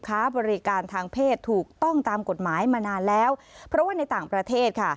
ค้าบริการทางเพศถูกต้องตามกฎหมายมานานแล้วเพราะว่าในต่างประเทศค่ะ